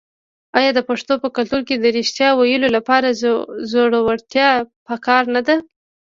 آیا د پښتنو په کلتور کې د ریښتیا ویلو لپاره زړورتیا پکار نه ده؟